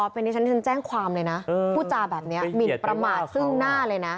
เป็นที่ฉันแจ้งความเลยนะพูดจาแบบนี้หมินประมาทซึ่งหน้าเลยนะ